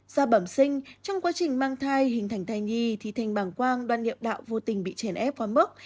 da bẩm sinh trong quá trình mang thai hình thành thai nhi thì thành bảng quang đoan niệm đạo vô tình bị chèn ép quá mức